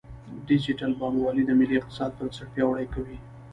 ډیجیټل بانکوالي د ملي اقتصاد بنسټ پیاوړی کوي.